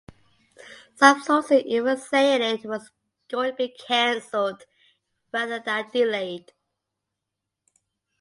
Some sources even saying it was going to be cancelled rather than delayed.